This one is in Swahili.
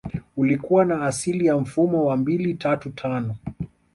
Ulikua na asili ya mfumo wa mbili tatu tano